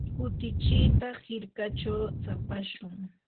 kutichita hirkachaw tsapashun.